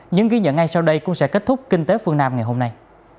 những ghi nhận ngay sau đây cũng sẽ kết thúc kinh tế phương nam ngày hôm nay